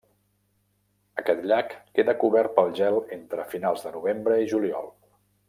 Aquest llac queda cobert pel gel entre finals de novembre i juliol.